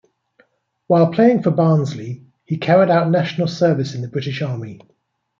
While playing for Barnsley, he carried out national service in the British Army.